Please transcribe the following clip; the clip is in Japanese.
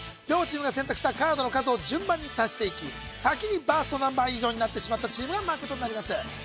両チームが選択したカードの数を順番に足していき先にバーストナンバー以上になってしまったチームが負けとなります